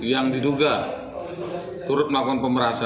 yang diduga turut melakukan pemerasan